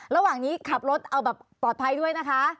ระหว่างนี้ขับรถเอาแบบปลอดภัยด้วยนะคะ